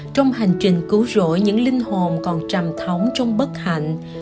trong hành trình cứu rỗi những linh hồn còn trầm thóng trong bất hạnh